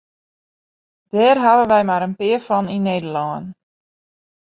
Dêr hawwe wy mar in pear fan yn Nederlân.